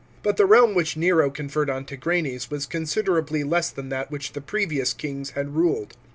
But the realm which Nero conferred on Tigranes was considerably less than that which the previous kings had ruled.